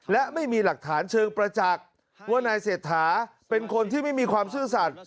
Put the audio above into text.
และไม่มีหลักฐานเชิงประจักษ์ว่านายเศรษฐาเป็นคนที่ไม่มีความซื่อสัตว